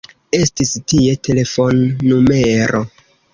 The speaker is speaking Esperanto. Estis tie telefonnumero.